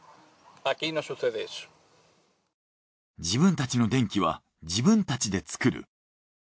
自分たちの電気は自分たちで作る。